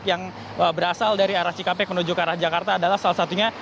yang berasal dari arah cikampek menuju ke arah jakarta adalah salah satunya